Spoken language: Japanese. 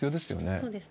そうですね。